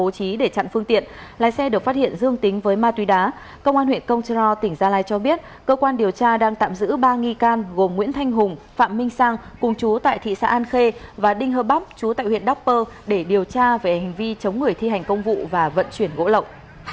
công an huyện công trò tỉnh gia lai cho biết cơ quan điều tra đang tạm giữ ba nghi can gồm nguyễn thanh hùng phạm minh sang cùng chú tại thị xã an khê và đinh hơ bóc chú tại huyện đắk pơ để điều tra về hành vi chống người thi hành công vụ và vận chuyển gỗ lộng